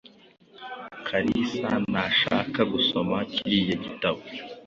Kalisa ntashaka gusoma kiriya gitabo.